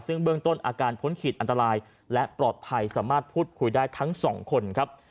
ซึ่งเบื้องต้นอาการพ้นขีดอันตรายและปลอดภัยสามารถพูดคุยได้ทั้งสองคนครับ